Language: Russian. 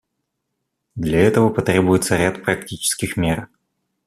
Для этого потребуется ряд практических мер.